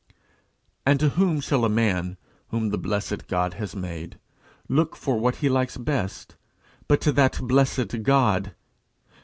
And to whom shall a man, whom the blessed God has made, look for what he likes best, but to that blessed God?